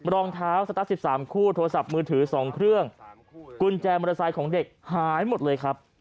รองเท้าสตัส๑๓คู่โทรศัพท์มือถือ๒เครื่องกุญแจมอเตอร์ไซค์ของเด็กหายหมดเลยครับ